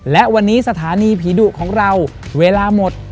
และวันนี้สถานีผีดุของเราเวลาหมด